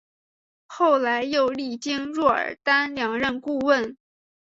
后来又历经若尔丹两任顾问。